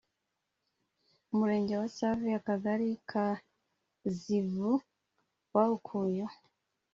Umurenge wa Save Akagari ka Zivu bawukuyeho